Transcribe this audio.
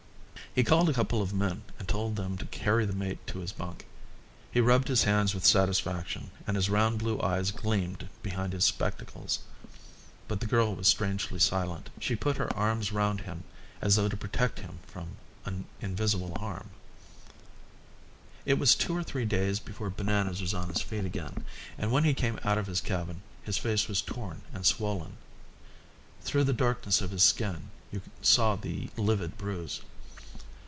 He called a couple of men and told them to carry the mate to his bunk. He rubbed his hands with satisfaction and his round blue eyes gleamed behind his spectacles. But the girl was strangely silent. She put her arms round him as though to protect him from invisible harm. It was two or three days before Bananas was on his feet again, and when he came out of his cabin his face was torn and swollen. Through the darkness of his skin you saw the livid bruise.